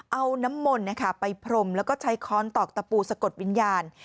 เอาน้ำมนต์ไปพรมแล้วก็ใช้ค้อนตอกตะปูสะกดวิญญาณ